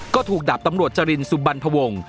ก็ถูกดับตำรวจจรินสุบรรณภวง